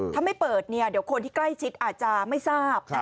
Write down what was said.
ถ้าไม่เปิดเนี่ยเดี๋ยวคนที่ใกล้ชิดอาจจะไม่ทราบ